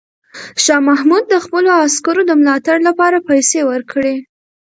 شاه محمود د خپلو عسکرو د ملاتړ لپاره پیسې ورکړې.